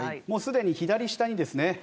もうすでに左下にですね